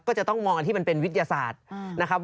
ก็จะต้องมองกันที่มันเป็นวิทยาศาสตร์นะครับ